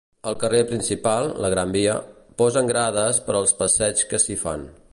Al carrer principal, la Gran Via, posen grades per als passeigs que s'hi fan.